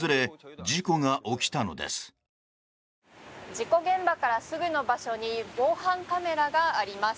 事故現場からすぐの場所に防犯カメラがあります。